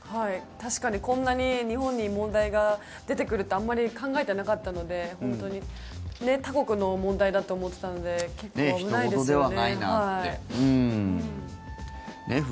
確かにこんなに日本に問題が出てくるってあんまり考えていなかったので他国の問題だと思っていたので危ないですよね。